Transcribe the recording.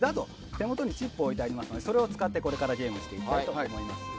手元にチップが置いてあるのでそれを使ってこれからゲームをしていこうと思います。